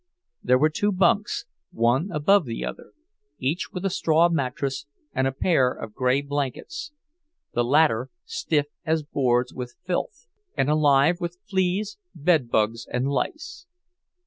There were two bunks, one above the other, each with a straw mattress and a pair of gray blankets—the latter stiff as boards with filth, and alive with fleas, bedbugs, and lice.